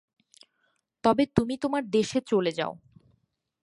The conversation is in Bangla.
তবে তুমি তোমার দেশে চলে যাও।